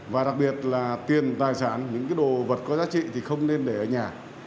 và đặc biệt là tiền tài sản những cái đồ vật có giá trị thì không nên để ở nhà